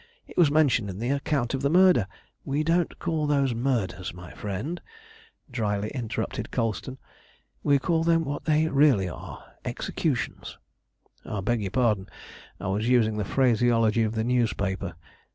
It was mentioned in the account of the murder" "We don't call those murders, my friend," drily interrupted Colston; "we call them what they really are executions." "I beg your pardon; I was using the phraseology of the newspaper.